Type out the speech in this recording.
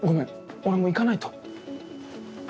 俺もう行かないと。